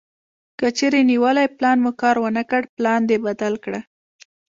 کچېرې نیولی پلان مو کار ونه کړ پلان دې بدل کړه.